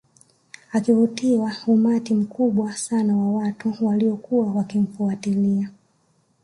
Akivutia umati mkubwa sana wa watu walio kuwa wakimfuatilia